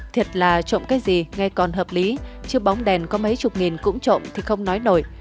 thiệt là trộm cái gì ngay còn hợp lý chứ bóng đèn có mấy chục nghìn cũng trộm thì không nói nổi